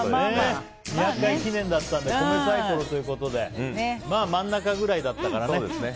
２００回記念だったんで米サイコロということで真ん中ぐらいだったからね。